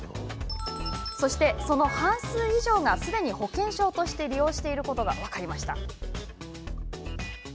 そして、その半数以上がすでに保険証として利用していることが分かりました。